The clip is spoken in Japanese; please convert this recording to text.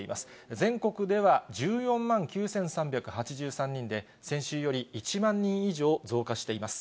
全国では１４万９３８３人で、先週より１万人以上増加しています。